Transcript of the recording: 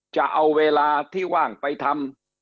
จะเอาเวลาที่ว่างไปทำ